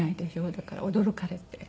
だから驚かれて。